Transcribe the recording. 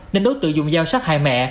nên đối tượng dùng dao sát hại mẹ